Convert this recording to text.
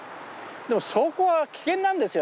でもそこは危険なんですよ。